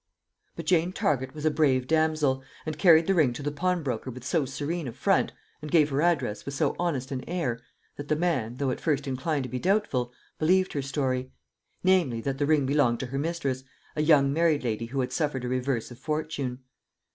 But Jane Target was a brave damsel, and carried the ring to the pawnbroker with so serene a front, and gave her address with so honest an air, that the man, though at first inclined to be doubtful, believed her story; namely, that the ring belonged to her mistress, a young married lady who had suffered a reverse of fortune.